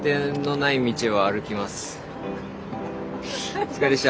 お疲れでした。